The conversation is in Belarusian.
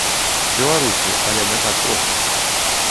Беларусі, але не так проста.